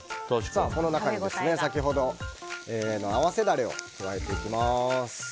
この中に先ほどの合わせダレを加えていきます。